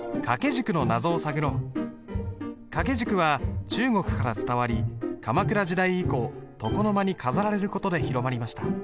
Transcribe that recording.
掛軸は中国から伝わり鎌倉時代以降床の間に飾られる事で広まりました。